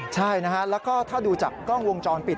ใช่นะฮะแล้วก็ถ้าดูจากกล้องวงจรปิด